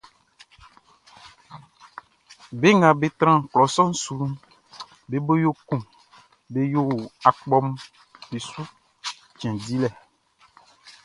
Be nga be tran klɔ sɔʼn suʼn, be bo yo kun be yo akpɔʼm be su cɛn dilɛ.